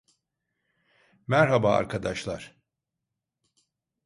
Merhaba arkadaşlar.